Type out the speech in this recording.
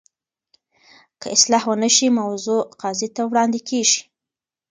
که اصلاح ونه شي، موضوع قاضي ته وړاندي کیږي.